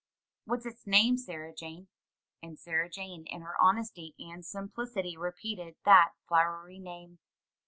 "What's its name, Sarah Jane?" And Sarah Jane in her honesty and simplicity repeated that flowery name.